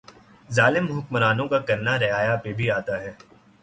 ظالم حکمرانوں کا کرنا رعایا پہ بھی آتا ھے